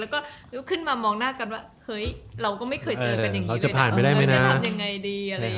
ลุคึ่งมามองหน้ากันว่าเฮ้ยเราก็ไม่เคยเจอกันอย่างนี้แล้วมันจะทำยังไงดี